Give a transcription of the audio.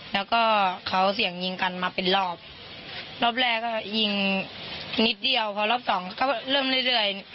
แล้วก็เขาเสี่ยงยิงกันมาเป็นรอบรอบแรกก็ยิงนิดเดียวพอรอบสองก็เริ่มเรื่อยเรื่อย